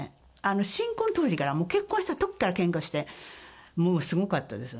新婚当時から、結婚したときからけんかして、もうすごかったです。